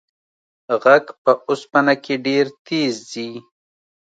غږ په اوسپنه کې ډېر تېز ځي.